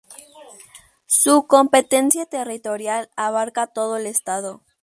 Su competencia territorial abarca todo el Estado.